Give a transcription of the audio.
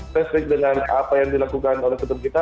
respect dengan apa yang dilakukan oleh ketum kita